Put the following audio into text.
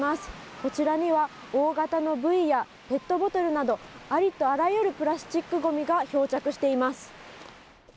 こちらには大型のブイやペットボトルなど、ありとあらゆるプラスチックごみが漂着しています。